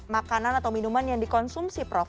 makanan atau minuman yang dikonsumsi prof